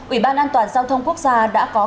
ủy ban an toàn giao thông quốc gia đã có